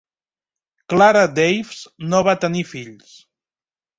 Clara Daves no va tenir fills.